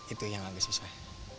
itu yang agak susah